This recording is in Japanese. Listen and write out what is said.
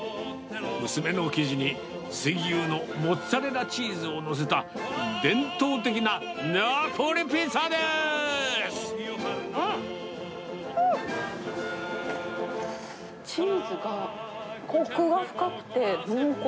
薄めの生地に水牛のモッツァレラチーズを載せた伝統的なナポリピチーズが、こくが深くて濃厚。